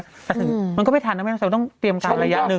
แต่ถึงมันก็ไม่ทันนะแม่เราต้องเตรียมการระยะหนึ่ง